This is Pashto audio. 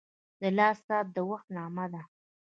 • د لاس ساعت د وخت نغمه ده.